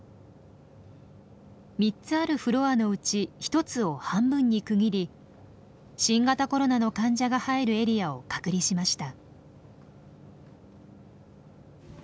３つあるフロアのうち一つを半分に区切り新型コロナの患者が入るエリアを隔離しました。